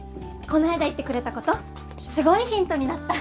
こないだ言ってくれたことすごいヒントになった！